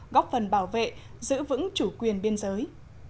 góp phần bảo vệ giữ vững chủ quyền biên giới